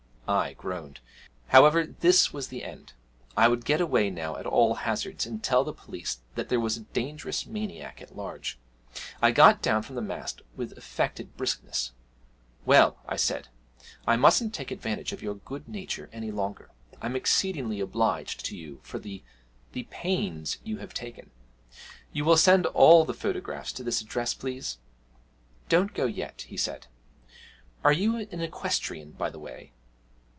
I groaned. However, this was the end; I would get away now at all hazards, and tell the police that there was a dangerous maniac at large. I got down from the mast with affected briskness. 'Well,' I said, 'I mustn't take advantage of your good nature any longer. I'm exceedingly obliged to you for the the pains you have taken. You will send all the photographs to this address, please?' 'Don't go yet,' he said. 'Are you an equestrian, by the way?'